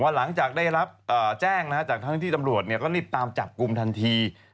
หลังจากได้รับแจ้งจากทางที่ตนิดจากกลุ่มทันที